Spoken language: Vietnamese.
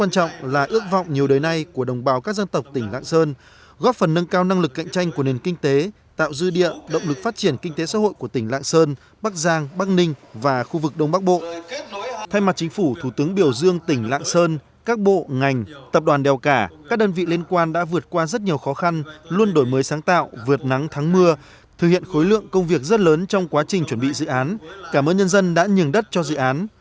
thay mặt chính phủ thủ tướng biểu dương tỉnh lạng sơn các bộ ngành tập đoàn đều cả các đơn vị liên quan đã vượt qua rất nhiều khó khăn luôn đổi mới sáng tạo vượt nắng tháng mưa thực hiện khối lượng công việc rất lớn trong quá trình chuẩn bị dự án cảm ơn nhân dân đã nhường đất cho dự án